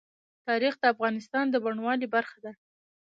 تاریخ د افغانستان د بڼوالۍ برخه ده.